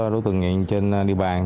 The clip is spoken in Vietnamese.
đối tượng nghiện trên địa bàn